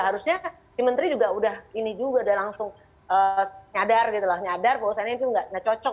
harusnya si menteri juga udah ini juga udah langsung nyadar gitu loh nyadar bahwa saya ini nggak cocok